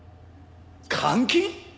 監禁！？